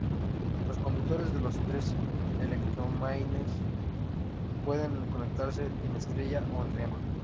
Los conductores de los tres electroimanes pueden conectarse en estrella o en triángulo.